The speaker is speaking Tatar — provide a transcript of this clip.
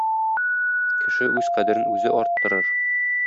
Кеше үз кадерен үзе арттырыр.